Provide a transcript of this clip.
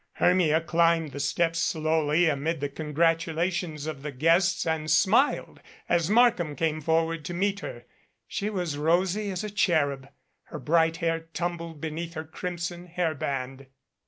Hermia climbed the steps slowly amid the congratula tions of the guests and smiled as Markham came forward to meet her. She was rosy as a cherub, her bright hair tumbled beneath her crimson hair band.